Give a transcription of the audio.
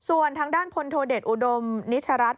ส่วนทางด้านพลโทเดชอุดมนิชรัฐ